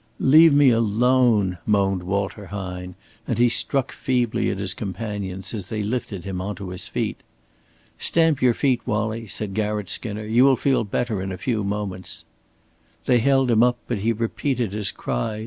"Leave me alone," moaned Walter Hine, and he struck feebly at his companions as they lifted him on to his feet. "Stamp your feet, Wallie," said Garratt Skinner. "You will feel better in a few moments." They held him up, but he repeated his cry.